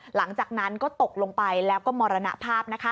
หลังจากนั้นก็ตกลงไปแล้วก็มรณภาพนะคะ